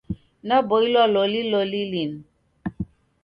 Naboilwa loli loli linu.